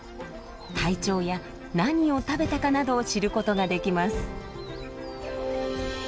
体調や何を食べたかなどを知ることができます。